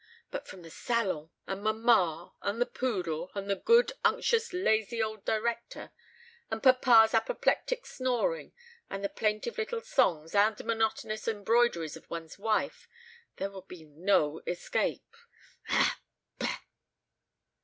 But from the salon, and mamma, and the poodle, and the good, unctuous, lazy old director, and papa's apoplectic snoring, and the plaintive little songs and monotonous embroideries of one's wife, there would be no escape.